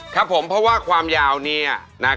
จ้ะผมเพราะว่าความยาวนี้นะครับ